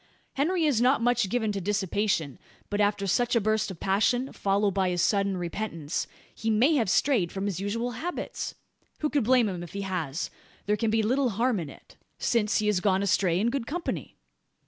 Henry is not much given to dissipation; but after such a burst of passion, followed by his sudden repentance, he may have strayed from his usual habits? Who could blame him if he has? There can be little harm in it: since he has gone astray in good company?"